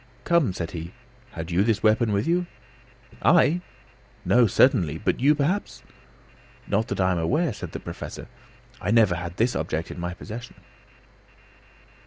"Come," said he, "had you this weapon with you?" "I! No, certainly! But you, perhaps " "Not that I am aware," said the Professor. "I have never had this object in my possession."